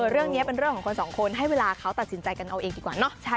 เรื่องนี้เป็นเรื่องของคนสองคนให้เวลาเขาตัดสินใจกันเอาเองดีกว่าเนาะ